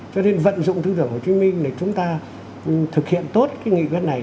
cho nên vận dụng tư tưởng hồ chí minh để chúng ta thực hiện tốt cái nghị quyết này